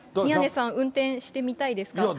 宮根さん、運転してみたいですか？